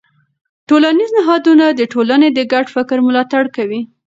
ټولنیز نهادونه د ټولنې د ګډ فکر ملاتړ کوي.